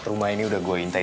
untuk bukan sendiri